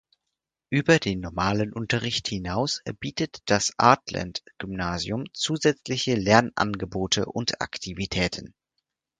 Über den normalen Unterricht hinaus bietet das Artland-Gymnasium zusätzliche Lernangebote und Aktivitäten.